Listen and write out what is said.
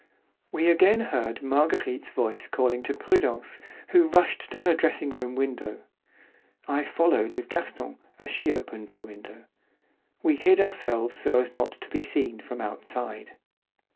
We again heard Marguerite's voice calling to Prudence, who rushed to her dressing room window. I followed with Gaston as she opened the window. We hid ourselves so as not to be seen from outside.